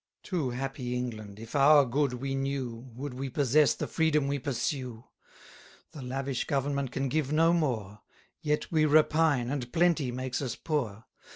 Too happy England, if our good we knew, Would we possess the freedom we pursue! The lavish government can give no more: Yet we repine, and plenty makes us poor.